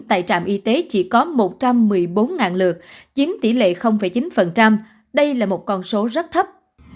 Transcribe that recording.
tại trạm y tế chỉ có một trăm một mươi bốn lượt chiếm tỷ lệ chín đây là một con số rất thấp